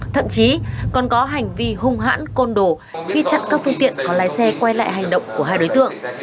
thậm chí còn có hành vi hung hãn côn đồ khi chặn các phương tiện có lái xe quay lại hành động của hai đối tượng